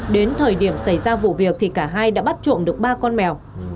đến thời điểm xảy ra vụ việc thì cả hai đã bắt trộm được ba con mèo